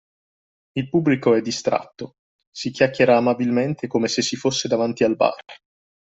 Il pubblico è distratto, si chiacchiera amabilmente come se si fosse davanti al bar